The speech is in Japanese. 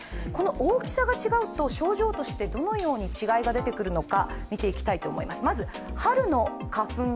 大きさが違うと症状にどのような違いが出てくるのか。